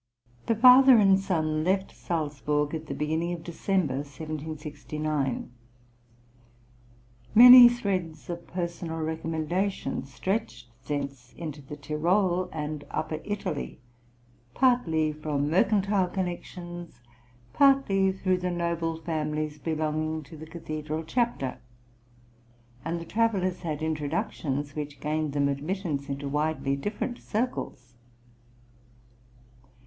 The father and son left Salzburg at the beginning of December, 1769. Many threads of personal recommendation stretched thence into the Tyrol and upper Italy, partly from mercantile connections, partly through the noble families belonging to the Cathedral Chapter, and the travellers had introductions which gained them admittance into widely different circles.